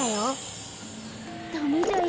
ダメだよ。